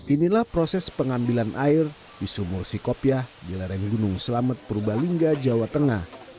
inilah proses pengambilan air di sumur psikopiah di lereng gunung selamet purbalingga jawa tengah